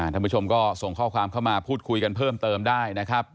ท่านผู้ชมก็ส่งข้อความเข้ามาพูดคุยกันเพิ่มเติมได้นะครับ